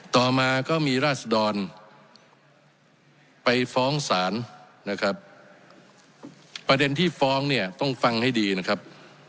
ต่อมาก็มีราศดรไปฟ้องศาลนะครับประเด็นที่ฟ้องเนี่ยต้องฟังให้ดีนะครับ